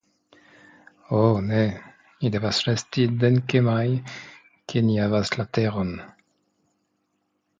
Ho ne, ni devas resti dankemaj ke ni havas la teron.